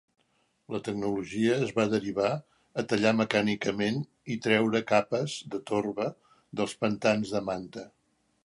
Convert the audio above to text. La tecnologia es va derivar a tallar mecànicament i treure capes de torba dels pantans de manta.